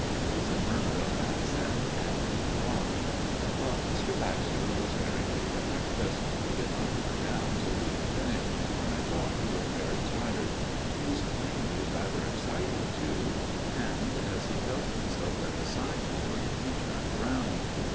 There was a murmur of assent, and he went on :" Well, Mr. Baxter was very late at breakfast. He did not come down till we had finished, and I thought he looked very tired. He was plainly rather excited, too, and as he helped himself at the sideboard he turned round.